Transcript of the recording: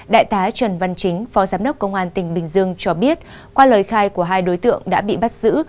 đại tá trần văn chính phó giám đốc công an tỉnh bình dương cho biết qua lời khai của hai đối tượng đã bị bắt giữ